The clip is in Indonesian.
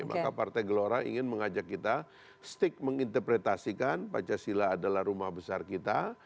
maka partai gelora ingin mengajak kita stick menginterpretasikan pancasila adalah rumah besar kita